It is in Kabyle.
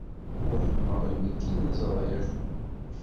Wehmeɣ imi ken-ẓṛiɣ.